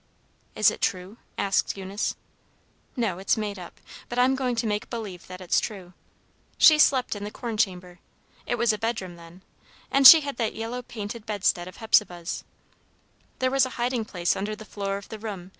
"Is it true?" asked Eunice. "No, it's made up, but I'm going to make believe that it's true. She slept in the corn chamber, it was a bedroom then, and she had that yellow painted bedstead of Hepzibah's. "There was a hiding place under the floor of the room.